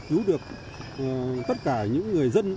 cứu được tất cả những người dân